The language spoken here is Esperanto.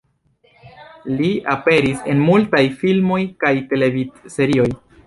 Li aperis en multaj filmoj kaj televidserioj.